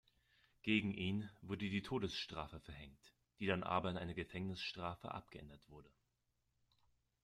Gegen ihn wurde die Todesstrafe verhängt, die dann aber in eine Gefängnisstrafe abgeändert wurde.